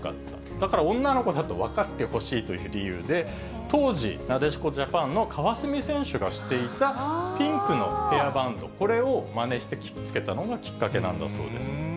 だから女の子だと分かってほしいという理由で、当時、なでしこジャパンの川澄選手がしていたピンクのヘアバンド、これをまねしてつけたのがきっかけなんだそうです。